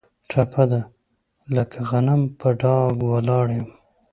ټپه ده: لکه غنم په ډاګ ولاړ یم.